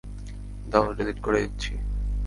দাও, ডিলিট করে দিচ্ছি।